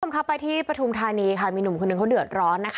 ไปที่ประธุมธาณีมีหนึ่งหนึ่งเขาเดือดร้อน